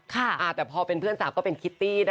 แต่พอเป็นเพื่อนสาวก็เป็นคิตตี้นะคะ